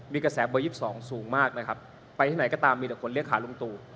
มีกระแสเบอร์๒๒สูงมากนะครับไปที่ไหนก็ตามมีแต่คนเรียกขาลุงตู่